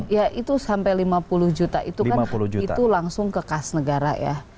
ya itu sampai lima puluh juta itu kan itu langsung ke kas negara ya